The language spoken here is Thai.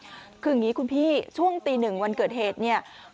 คืออย่างนี้คุณพี่ช่วงตีหนึ่งวันเกิดเหตุเนี่ย